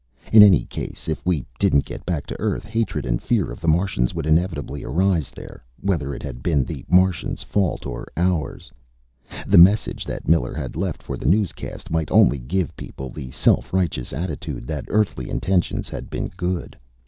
In any case, if we didn't get back to Earth, hatred and fear of the Martians would inevitably arise there, whether it had been the Martians' fault or ours. The message that Miller had left for newscast might only give people the self righteous attitude that Earthly intentions had been good.